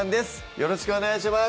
よろしくお願いします